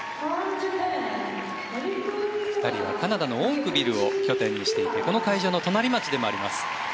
２人は、カナダのウォークビルを拠点にしていてこの会場の隣町でもあります。